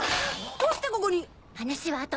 どうしてここに⁉話は後。